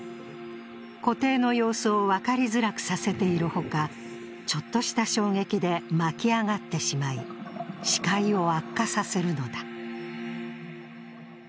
湖底の様子を分かりづらくさせているほか、ちょっとした衝撃で巻き上がってしまい視界を悪化させるのだ。